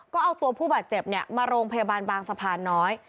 ก็เอาตัวผู้บาดเจ็บมาโรงพยาบาลบางสะพานน้อย